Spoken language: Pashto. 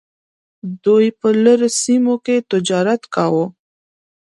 دوی په لرې سیمو کې تجارت کاوه.